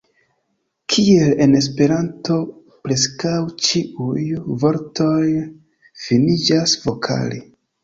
Kiel en Esperanto, preskaŭ ĉiuj vortoj finiĝas vokale.